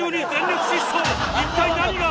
一体何が！？